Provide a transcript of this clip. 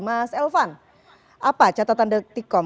mas elvan apa catatan detikom